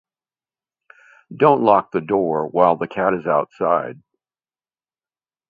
Don't lock the door while the cat is outside.